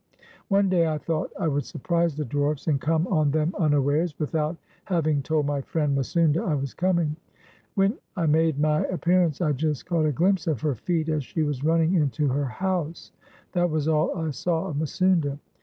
^^ One day I thought I would surprise the dwarfs, and 413 WESTERN AND CENTRAL AFRICA come on them unawares, without having told my friend Misounda I was coming. When I made my appearance I just caught a ghmpse of her feet as she was running into her house That was all I saw of Misounda.